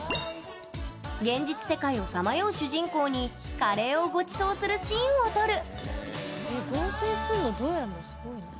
現実世界をさまよう主人公にカレーをごちそうするシーンを撮る。